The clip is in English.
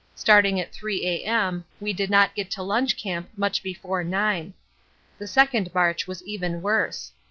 Starting at 3 A.M. we did not get to lunch camp much before 9. The second march was even worse.